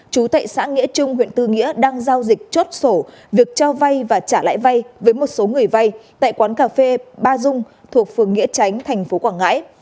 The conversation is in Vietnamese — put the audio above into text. chú tệ xã nghĩa trung huyện tư nghĩa đang giao dịch chốt sổ việc cho vay và trả lãi vay với một số người vay tại quán cà phê ba dung thuộc phường nghĩa chánh thành phố quảng ngãi